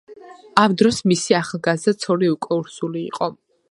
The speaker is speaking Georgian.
ამ დროს, მისი ახალგაზრდა ცოლი უკვე ორსული იყო.